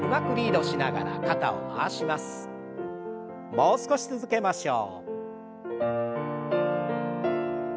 もう少し続けましょう。